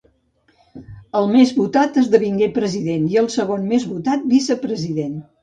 El més votat esdevingué president i el segon més votat, vicepresident.